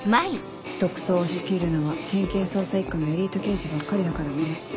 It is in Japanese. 特捜を仕切るのは県警捜査一課のエリート刑事ばっかりだからね。